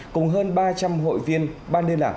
cùng hơn ba trăm linh hội viên ban liên lạc